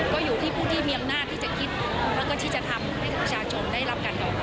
ได้รับการกรรม